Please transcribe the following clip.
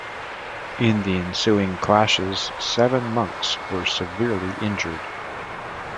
In the ensuing clashes seven monks were severely injured.